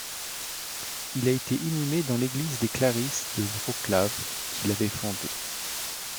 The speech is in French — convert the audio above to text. Il a été inhumé dans l’église des Clarisses de Wrocław qu’il avait fondée.